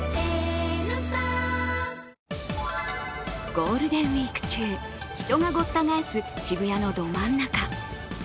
ゴールデンウイーク中人がごった返す、渋谷のど真ん中。